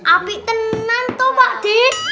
api tenang pak deh